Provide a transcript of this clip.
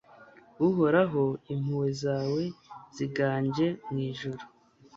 Uhoraho impuhwe zawe ziganje mu ijuru